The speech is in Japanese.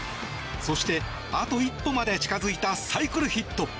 そして、あと一歩まで近づいたサイクルヒット。